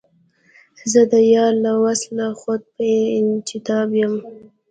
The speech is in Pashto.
زه د یار له وصله خود په اجتناب یم